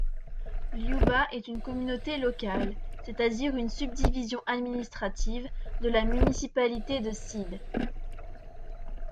Ljuba est une communauté locale, c'est-à-dire une subdivision administrative, de la municipalité de Šid.